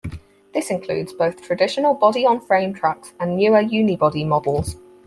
This includes both traditional body-on-frame trucks and newer unibody models.